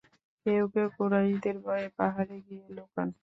কেউ কেউ কুরাইশদের ভয়ে পাহাড়ে গিয়ে লুকান।